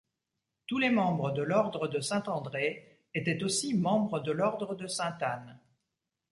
Tous les membres de l'ordre de Saint-André, étaient aussi membre de l'ordre de Sainte-Anne.